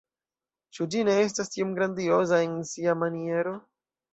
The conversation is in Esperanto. Ĉu ĝi ne estas tiom grandioza en sia maniero?